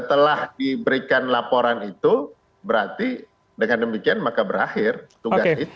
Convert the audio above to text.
setelah diberikan laporan itu berarti dengan demikian maka berakhir tugas itu